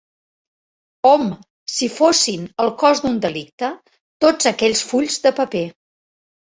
om si fossin el cos d'un delicte, tots aquells fulls de paper